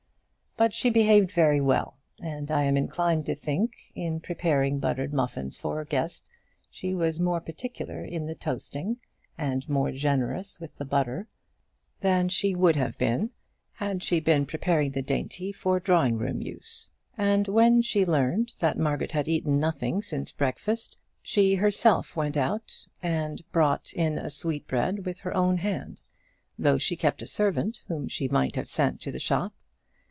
But she behaved very well, and I am inclined to think, in preparing buttered muffins for her guest, she was more particular in the toasting, and more generous with the butter, than she would have been had she been preparing the dainty for drawing room use. And when she learned that Margaret had eaten nothing since breakfast, she herself went out and brought in a sweetbread with her own hand, though she kept a servant whom she might have sent to the shop.